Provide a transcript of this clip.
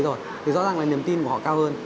rồi thì rõ ràng là niềm tin của họ cao hơn